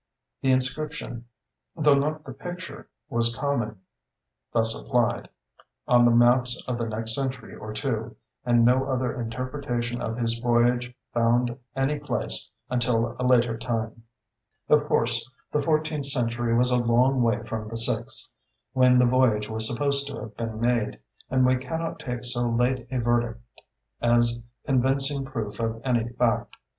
The inscription, though not the picture, was common, thus applied, on the maps of the next century or two, and no other interpretation of his voyage found any place until a later time. Of course the fourteenth century was a long way from the sixth, when the voyage was supposed to have been made, and we cannot take so late a verdict as convincing proof of any fact.